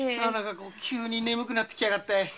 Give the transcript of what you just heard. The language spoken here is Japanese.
急に眠くなってきやがった。